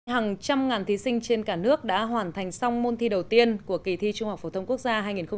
hàng trăm ngàn thí sinh trên cả nước đã hoàn thành xong môn thi đầu tiên của kỳ thi trung học phổ thông quốc gia hai nghìn một mươi tám